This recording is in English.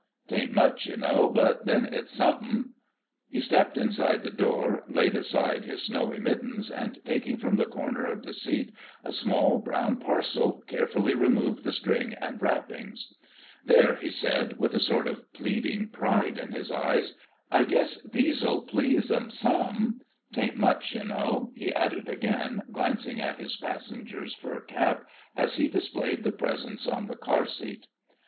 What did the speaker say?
'T ain't much, you know, but then it's somethin'." He stepped inside the door, laid aside his snowy mittens, and taking from the corner of the seat a small brown parcel, carefully removed the string and wrappings. "There," he said, with a sort of pleading pride in his eyes, "I guess these'll please 'em some. 'Taint much, you know," he added again, glancing at his passenger's fur cap, as he displayed the presents on the car seat.